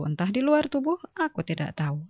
entah di luar tubuh aku tidak tahu